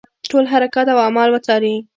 ټول حرکات او اعمال وڅاري.